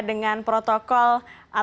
dengan protokol atau peraturan bahasa indonesia